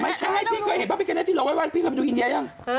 ไม่ใช่พี่เคยเห็นพระพิกาเนตที่เราไว้พี่เคยไปดูอินเดียยัง